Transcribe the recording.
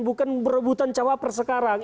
bukan berebutan cawaper sekarang